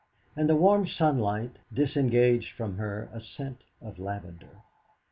And the warm sunlight disengaged from her a scent of lavender.